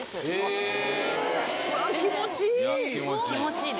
うわっ気持ちいい！